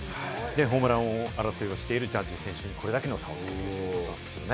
ホームラン王争いをしているジャッジ選手に、これだけの差をつけていると。